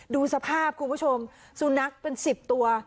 ดูสภาพคุณผู้ชมสุนัขเป็น๑๐ตัว